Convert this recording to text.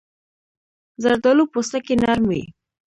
زردالو پوستکی نرم وي.